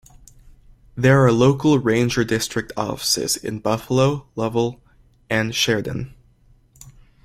There are local ranger district offices in Buffalo, Lovell, and Sheridan.